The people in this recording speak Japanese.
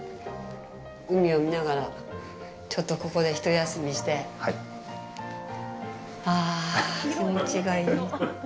海を見ながらちょっとここで一休みしてああ、気持ちがいい。